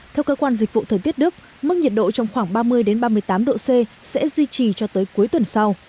theo cơ quan dịch vụ thời tiết đức mức nhiệt độ trong khoảng ba mươi ba mươi tám độ c sẽ duy trì cho tới cuối tuần sau